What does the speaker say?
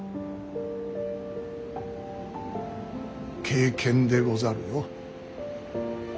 経験でござるよ。